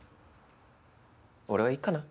俺はいいかな。